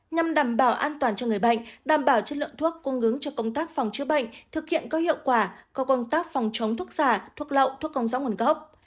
nhằm đảm bảo an toàn cho người bệnh đảm bảo chất lượng thuốc cung ứng cho công tác phòng chữa bệnh thực hiện có hiệu quả công tác phòng chống thuốc giả thuốc lậu thuốc công rõ nguồn gốc